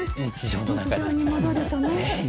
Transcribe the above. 日常に戻るとね。